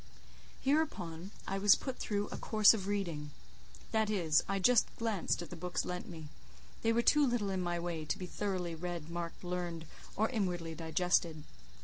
Hereupon I was put through a course of reading—that is, I just glanced at the books lent me; they were too little in my way to be thoroughly read, marked, learned, or inwardly digested.